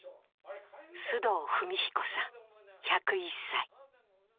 須藤文彦さん１０１歳。